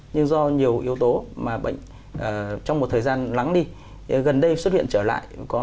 nhưng do nhiều yếu tố mà trong một thời gian lắng đi gần đây xuất hiện trở lại